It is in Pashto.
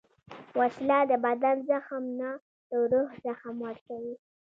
وسله د بدن زخم نه، د روح زخم ورکوي